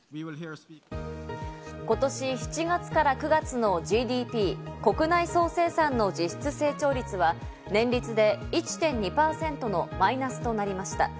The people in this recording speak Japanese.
今年７月から９月のＧＤＰ＝国内総生産の実質成長率は年率で１．２％のマイナスとなりました。